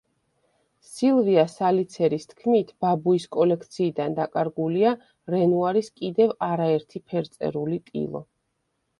სილვია სალიცერის თქმით, ბაბუის კოლექციიდან დაკარგულია რენუარის კიდევ არაერთი ფერწერული ტილო.